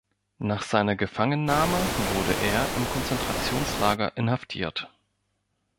Nach seiner Gefangennahme wurde er im Konzentrationslager inhaftiert.